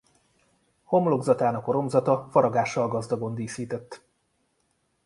Homlokzatának oromzata faragással gazdagon díszített.